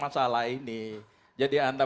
masalah ini jadi anda